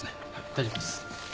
大丈夫です。